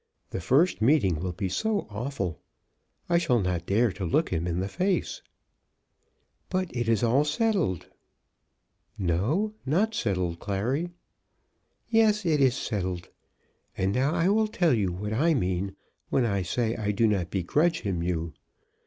The first meeting will be so awful. I shall not dare to look him in the face." "But it is all settled." "No; not settled, Clary." "Yes; it is settled. And now I will tell you what I mean when I say I do not begrudge him to you.